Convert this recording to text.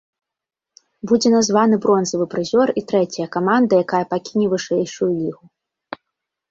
Будзе названы бронзавы прызёр і трэцяя каманда, якая пакіне вышэйшую лігу.